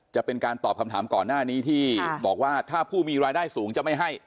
จะเป็นการตอบคำถามก่อนหน้านี้ที่บอกว่าถ้าผู้มีรายได้สูงจะไม่ให้